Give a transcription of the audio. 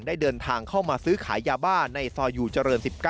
ได้เดินทางเข้ามาซื้อขายยาบ้าในซอยอยู่เจริญ๑๙